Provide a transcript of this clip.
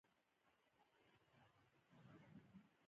مالي پلان د هر کاروبار اساس دی.